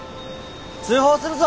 通報するぞ！